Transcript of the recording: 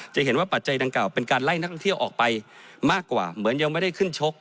จะเห็นว่าปัจจัยดังกล่าเป็นการไล่นักท่องเที่ยวออกไปมากกว่าเหมือนยังไม่ได้ขึ้นชก